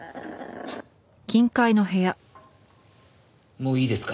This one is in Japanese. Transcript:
もういいですか？